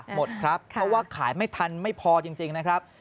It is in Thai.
หมดครับเพราะว่าขายไม่ทันไม่พอจริงนะครับ